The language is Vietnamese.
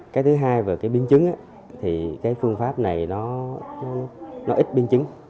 cái thứ hai về biến chứng phương pháp này ít biến chứng